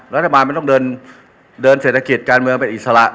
รัฐบาลมันต้องเดินเศรษฐกิจการเมืองเป็นอิสระ